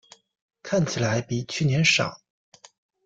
看起来比去年少